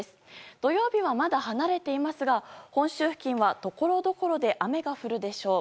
土曜日は、まだ離れていますが本州付近はところどころで雨が降るでしょう。